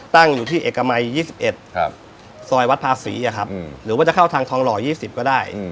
ตั้งอยู่ที่เอกมัย๒๑ซอยวัดภาษีหรือว่าจะเข้าทางทองหล่อ๒๐ก็ได้